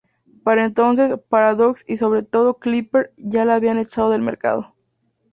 Para entonces, Paradox y sobre todo Clipper ya la habían echado del mercado.